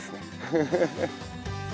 フフフッ。